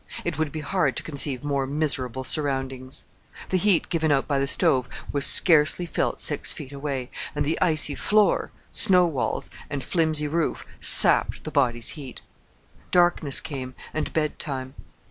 It would be hard to conceive more miserable surroundings! The heat given out by the stove was scarcely felt six feet away, and the icy floor, snow walls, and flimsy roof sapped the body's heat. Darkness came, and bed time.